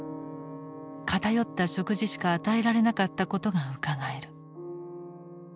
偏った食事しか与えられなかったことがうかがえる。